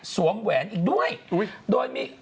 แหวนอีกด้วยโดยมี